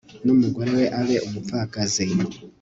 n'umugore we abe umupfakazi